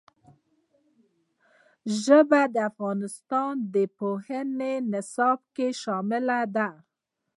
ژبې د افغانستان د پوهنې نصاب کې شامل دي.